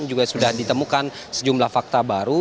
juga sudah ditemukan sejumlah fakta baru